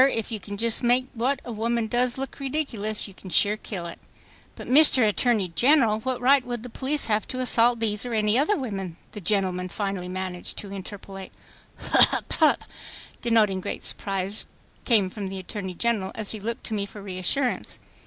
If you can just make what a woman does look ridiculous, you can sure kill it ...." "But, Mr. Attorney General, what right would the police have to assault these or any other women?" the gentleman managed finally to interpolate. "Hup—hup—" denoting great surprise, came from the Attorney General, as he looked to me for reassurance.